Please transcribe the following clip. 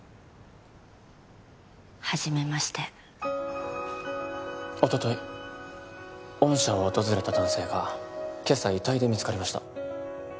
はじめましておととい御社を訪れた男性が今朝遺体で見つかりました